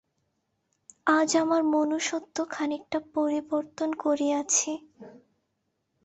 আজ আমার মনুষত্ব খানিকটা পরিবর্তন করিয়াছি।